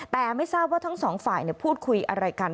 แต่ไม่ทราบว่าทั้งสองฝ่ายพูดคุยอะไรกัน